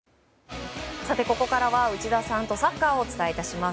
ここからは、内田さんとサッカーをお伝えいたします。